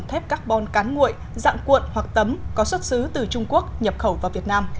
thép carbon cán nguội dạng cuộn hoặc tấm có xuất xứ từ trung quốc nhập khẩu vào việt nam